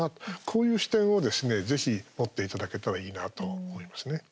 こういう視点をですね、ぜひ持っていただけたらいいなと思いますね。